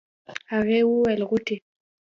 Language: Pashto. هغې وويل غوټۍ.